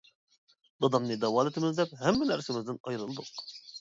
دادامنى داۋالىتىمىز دەپ ھەممە نەرسىمىزدىن ئايرىلدۇق.